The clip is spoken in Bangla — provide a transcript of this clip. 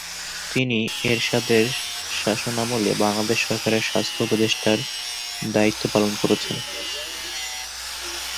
তিনি এরশাদের শাসনামলে বাংলাদেশ সরকারের স্বাস্থ্য উপদেষ্টার দায়িত্ব পালন করেছেন।